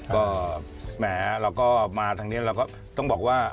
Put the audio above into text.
ก็แหมเราก็มาทางนี้เราก็ต้องบอกว่า